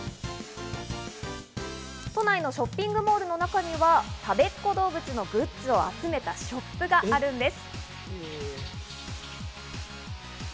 都内のショッピングモールの中にはたべっ子どうぶつのグッズを集めたショップがあるんです。